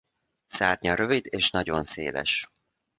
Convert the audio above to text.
Szárnya rövid és nagyon széles.